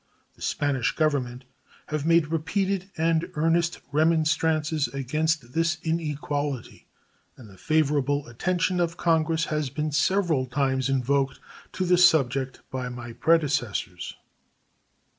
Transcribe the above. The Spanish Government have made repeated and earnest remonstrances against this inequality, and the favorable attention of Congress has been several times invoked to the subject by my predecessors.